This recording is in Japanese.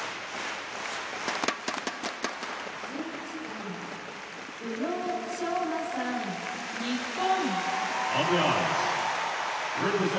「１１番宇野昌磨さん日本」